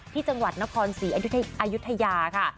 ที่จังหวัดนครศรีอายุทยาค่ะ